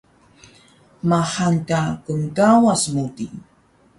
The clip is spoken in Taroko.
Maxal ka knkawas mu di